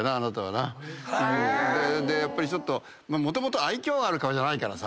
やっぱりちょっともともと愛嬌がある顔じゃないからさ。